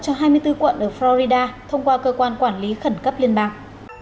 cho hai mươi bốn quận ở florida thông qua cơ quan quản lý khẩn cấp liên bang